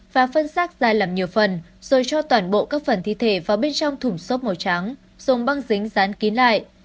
và phân xác ra làm nhiều phần rồi cho toàn bộ các phần thi thể vào bên trong thùng xốp màu trắng dùng băng dính dán kín lại